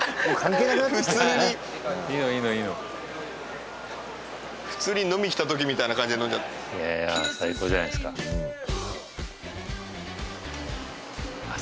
普通にいいのいいのいいの普通に飲み来た時みたいな感じで飲んじゃったいや最高じゃないっすかあっ